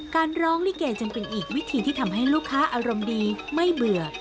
การร้องลิเกจึงเป็นอีกวิธีที่ทำให้ลูกค้าอารมณ์ดีไม่เบื่อ